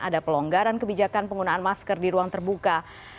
ada pelonggaran kebijakan penggunaan masker di ruang terbuka